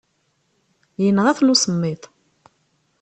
Yenɣa-ten usemmiḍ.